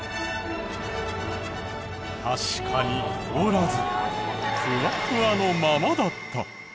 確かに凍らずフワフワのままだった！